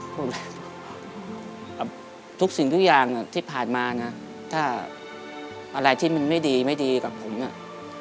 ผมพูดให้เป็นไงถูกสิ้นทุกอย่างที่ผ่านมานะถ้าอะไรที่มันไม่ดีกับผมเนี่ย